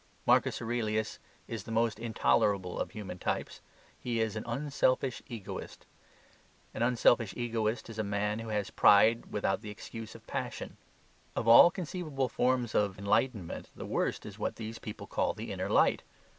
Marcus Aurelius is the most intolerable of human types. He is an unselfish egoist. An unselfish egoist is a man who has pride without the excuse of passion. Of all conceivable forms of enlightenment the worst is what these people call the Inner Light.